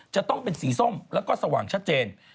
จะต้องเป็นสีส้มแล้วก็สว่างชัดเจน